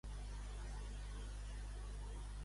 Quan es va descobrir la pedra de Wroxeter?